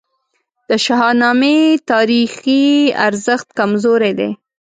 د شاهنامې تاریخي ارزښت کمزوری دی.